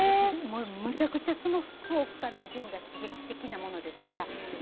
むちゃくちゃその福岡のジムが刺激的なものですから。